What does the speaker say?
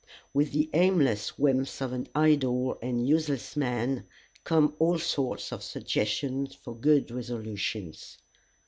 With the aimless whims of an idle and useless man come all sorts of suggestions for good resolutions.